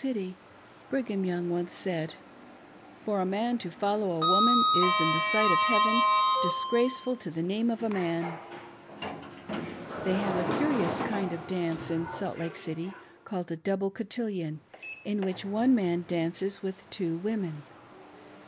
City,, Brigham Young once said :" For a man to follow a woman is, in the sight of Heaven, disgraceful to the name of a man." They have a curious kind of dance in Salt Lake City, called a double cotillion, in which one man dances with two women.